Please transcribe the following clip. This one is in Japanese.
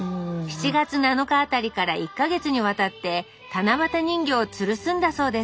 ７月７日あたりから１か月にわたって七夕人形をつるすんだそうです